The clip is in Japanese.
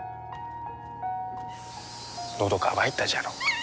のど渇いたじゃろ。